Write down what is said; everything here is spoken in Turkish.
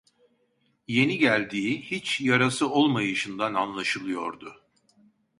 Yeni geldiği, hiç yarası olmayışından anlaşılıyordu.